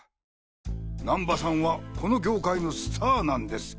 難波さんはこの業界のスターなんです。